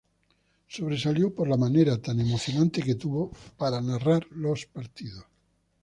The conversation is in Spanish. Sobresalió por la manera tan emocionante que tuvo para narrar los partidos.